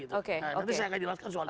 nanti saya akan jelaskan soal anda